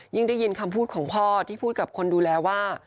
ได้ยินคำพูดของพ่อที่พูดกับคนดูแลว่า